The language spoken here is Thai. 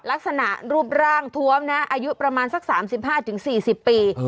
ลักษณะรูปร่างทวมนะอายุประมาณสัก๓๕๔๐ปี